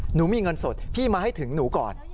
หนูมีเงินสดพี่มาให้ถึงหนูก่อน